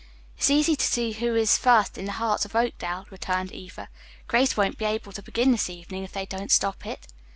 "It's easy to see who is first in the hearts of Oakdale," returned Eva. "Grace won't be able to begin this evening if they don't stop it."